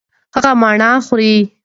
هغه مڼې خوري.